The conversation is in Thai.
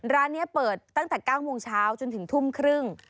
ร้านนี้เปิดตั้งแต่๙โมงเช้าจนถึงทุ่มครึ่ง